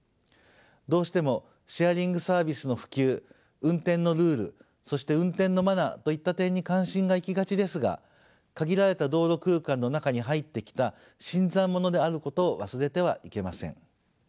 どうしてもシェアリングサービスの普及運転のルールそして運転のマナーといった点に関心がいきがちですが限られた道路空間の中に入ってきた新参者であることを忘れてはいけません。